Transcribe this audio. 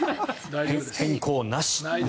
変更なし。